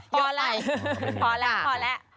พอแล้วพอแล้ว